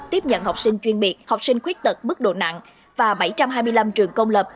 tiếp nhận học sinh chuyên biệt học sinh khuyết tật mức độ nặng và bảy trăm hai mươi năm trường công lập